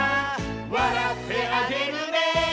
「わらってあげるね」